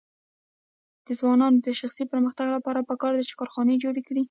د ځوانانو د شخصي پرمختګ لپاره پکار ده چې کارخانې جوړې کړي.